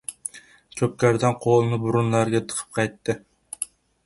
Ko‘pkaridan qo‘lini burunlariga tiqib qaytdi.